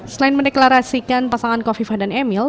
selain mendeklarasikan pasangan kofifah dan emil